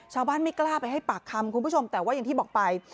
ไม่กล้าไปให้ปากคำคุณผู้ชมแต่ว่าอย่างที่บอกไป